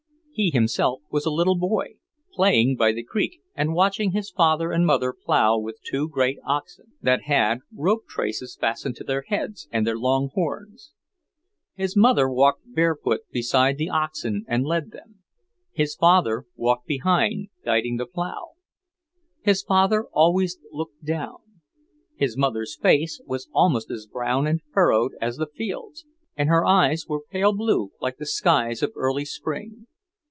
He himself was a little boy, playing by the creek and watching his father and mother plough with two great oxen, that had rope traces fastened to their heads and their long horns. His mother walked barefoot beside the oxen and led them; his father walked behind, guiding the plough. His father always looked down. His mother's face was almost as brown and furrowed as the fields, and her eyes were pale blue, like the skies of early spring.